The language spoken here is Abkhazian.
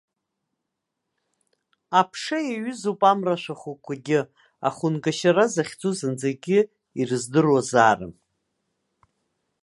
Аԥша иаҩызоуп амра ашәахәақәагьы, ахәынгашьара захьӡу зынӡагьы ирыздыруазаарым.